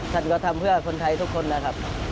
ท่านก็ทำเพื่อคนไทยทุกคนนะครับ